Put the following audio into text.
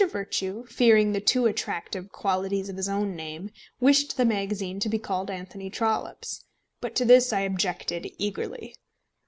Virtue, fearing the too attractive qualities of his own name, wished the magazine to be called Anthony Trollope's. But to this I objected eagerly.